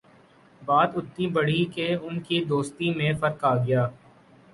بات اتنی بڑھی کہ ان کی دوستی میں فرق آگیا